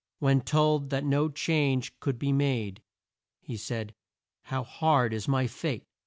When told that no change could be made, he said "How hard is my fate!